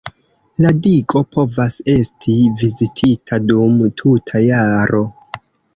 La digo povas esti vizitita dum tuta jaro.